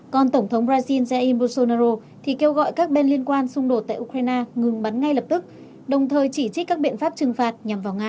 còn tổng thống brazil jail bolsonaro thì kêu gọi các bên liên quan xung đột tại ukraine ngừng bắn ngay lập tức đồng thời chỉ trích các biện pháp trừng phạt nhằm vào nga